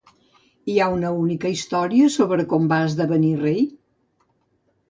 I hi ha una única història sobre com va esdevenir rei?